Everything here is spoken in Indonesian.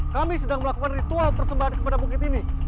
kami sedang melakukan ritual tersebar kepada bukit ini